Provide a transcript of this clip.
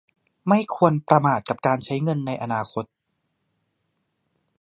ไม่ควรประมาทกับการใช้เงินในอนาคต